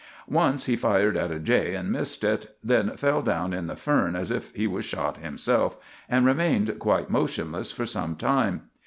Once he fired at a jay and missed it, then fell down in the fern as if he was shot himself, and remained quite motionless for some time.